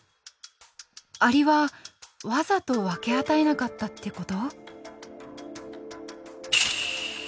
アリはわざと分け与えなかったって事？